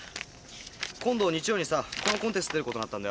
今度の日曜にさこのコンテスト出ることになったんだよ。